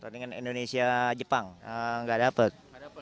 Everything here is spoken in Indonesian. dengan indonesia jepang nggak dapat